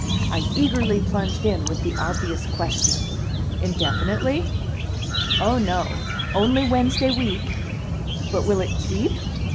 I eagerly plunged in with the obvious question: "Indefinitely?" "Oh, no! Only Wednesday week." "But will it keep?"